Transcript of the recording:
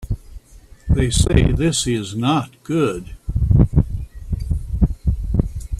They say this is not good.